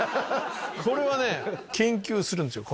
これはね研究するんですよ